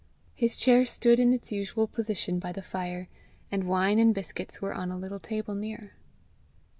His chair stood in its usual position by the fire, and wine and biscuits were on a little table near.